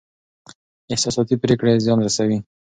احساساتي پرېکړې زيان رسوي.